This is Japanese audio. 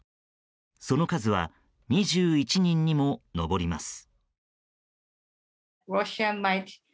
その数は、２１人にも上ります。